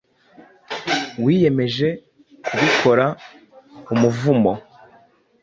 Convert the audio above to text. Wiyemeje kubikora umuvumo.